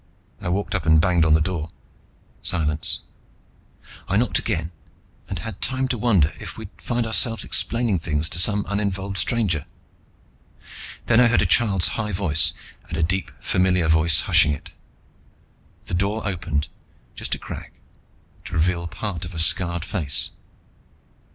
I walked up and banged on the door. Silence. I knocked again and had time to wonder if we'd find ourselves explaining things to some uninvolved stranger. Then I heard a child's high voice, and a deep familiar voice hushing it. The door opened, just a crack, to reveal part of a scarred face.